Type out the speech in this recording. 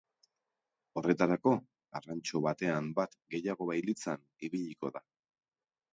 Horretarako, arrantxo batean bat gehiago bailitzan ibiliko da.